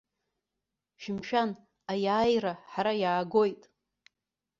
Шәымшәан, аиааира ҳара иаагоит!